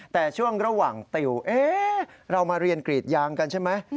แต่ช่วงระหว่างติวเรามาเรียนกรีดยางกันใช่ไหม